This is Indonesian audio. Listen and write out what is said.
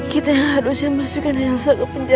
kita yang harusnya masukin elsa ke penjara